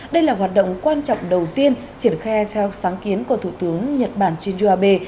đây là hoạt động quan trọng đầu tiên triển khai theo sáng kiến của thủ tướng nhật bản shinzo abe